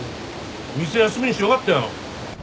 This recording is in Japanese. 店休みにしてよかったよ。